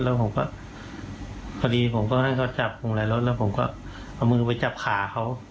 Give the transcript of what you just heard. แล้วผมก็พอดีผมก็ให้เขาจับพวงในรถแล้วผมก็เอามือไปจับขาเขา